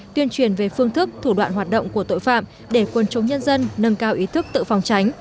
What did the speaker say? tuyên truyền về phương thức thủ đoạn hoạt động của tội phạm để quân chống nhân dân nâng cao ý thức tự phòng tránh